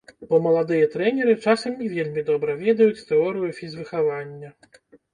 Бо маладыя трэнеры часам не вельмі добра ведаюць тэорыю фізвыхавання.